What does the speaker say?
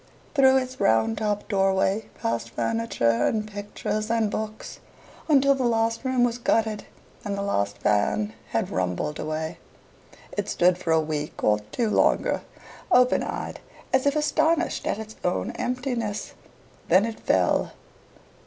Through its round topped doorway passed furniture, and pictures, and books, until the last room was gutted and the last van had rumbled away. It stood for a week or two longer, open eyed, as if astonished at its own emptiness. Then it fell.